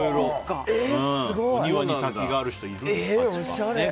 庭に滝がある人いるんだって。